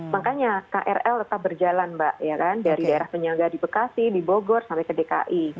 makanya krl tetap berjalan mbak dari daerah penyangga di bekasi di bogor sampai ke dki